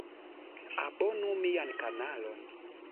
Abonu mian kanalon